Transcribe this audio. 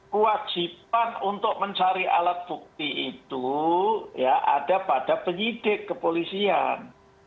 kewajiban untuk mencari alat bukti itu ya ada pada penyidik kepolisian